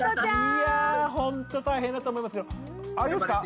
いやほんと大変だと思いますけどあれですか？